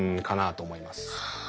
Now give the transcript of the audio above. かなと思います。